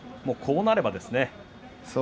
もうこうなればですね。